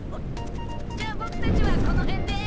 じゃボクたちはこのへんで。